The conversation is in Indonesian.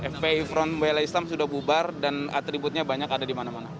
fpi front pembela islam sudah bubar dan atributnya banyak ada di mana mana